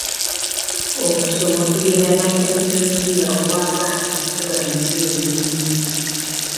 Okusoma kugenda na tekinologiya awa abaana okufuga mu biseera ebimu.